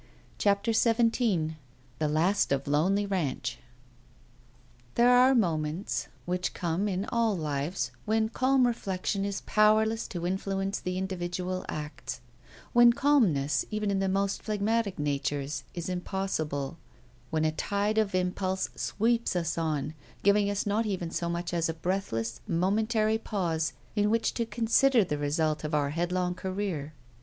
CHAPTER XVII THE LAST OF LONELY RANCH There are moments which come in all lives when calm reflection is powerless to influence the individual acts; when calmness, even in the most phlegmatic natures, is impossible; when a tide of impulse sweeps us on, giving us not even so much as a breathless, momentary pause in which to consider the result of our headlong career.